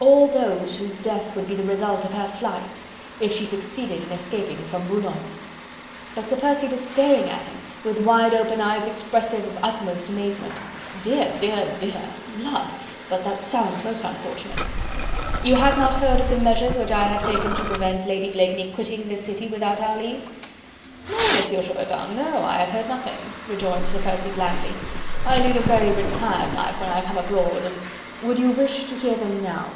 "All those whose death would be the result of her flight, if she succeeded in escaping from Boulogne..." But Sir Percy was staring at him, with wide open eyes expressive of utmost amazement. "Dear, dear, dear.... Lud! but that sounds most unfortunate..." "You have not heard of the measures which I have taken to prevent Lady Blakeney quitting this city without our leave?" "No, Monsieur Chaubertin... no... I have heard nothing..." rejoined Sir Percy blandly. "I lead a very retired life when I come abroad and..." "Would you wish to hear them now?"